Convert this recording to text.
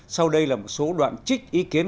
sau đây là một số đoạn trích ý kiến